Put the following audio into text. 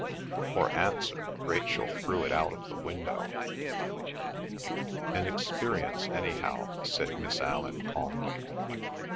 For answer Rachel threw it out of the window. "An experience anyhow," said Miss Allan calmly.